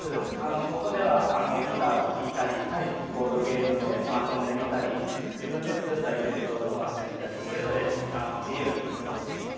ここではギターを弾いたりボードゲームで遊んでみたり自分で作ったイベントをこなしてみたり、それぞれ自由に過ごしています。